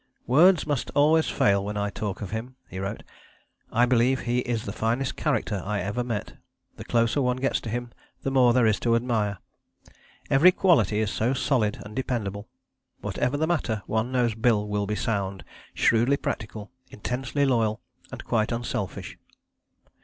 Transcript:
'Words must always fail when I talk of him,' he wrote; 'I believe he is the finest character I ever met the closer one gets to him the more there is to admire. Every quality is so solid and dependable. Whatever the matter, one knows Bill will be sound, shrewdly practical, intensely loyal, and quite unselfish.'